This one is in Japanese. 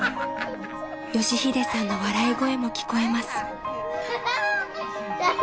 ［佳秀さんの笑い声も聞こえます］